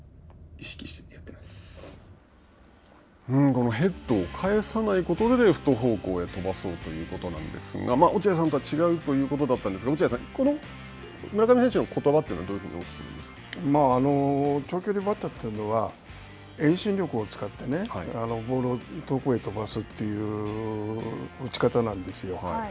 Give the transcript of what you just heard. このヘッドを返さないことで、レフト方向へ飛ばそうということなんですが落合さんとは違うということだったんですが、落合さん、この村上選手のことばというのは長距離バッターというのは、遠心力を使ってねボールを遠くへ飛ばすという打ち方なんですよ。